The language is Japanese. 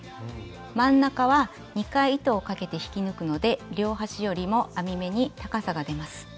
真ん中は２回糸をかけて引き抜くので両端よりも編み目に高さが出ます。